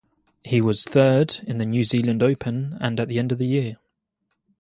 He was third in the New Zealand Open at the end of the year.